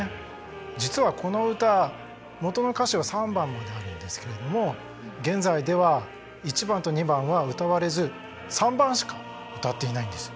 実はこの歌元の歌詞は３番まであるんですけれども現在では１番と２番は歌われず３番しか歌っていないんです。